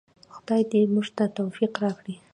خدای دې موږ ته توفیق راکړي؟